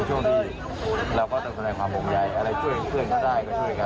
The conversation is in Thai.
ในช่วงที่มันมาพี่อยากระบัดหนี้สู้ประเทศไทยของเรา